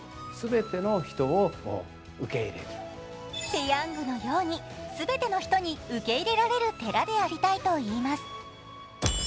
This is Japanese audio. ペヤングのように全ての人に受け入れられる寺でありたいといいます。